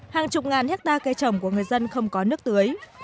hàng chục ngàn hectare cây trồng của người dân không có nước tưới